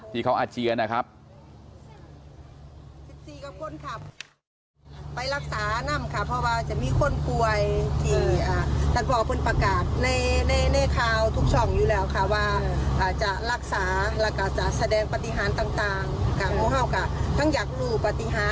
ที่เขาอาเจียนนะครับ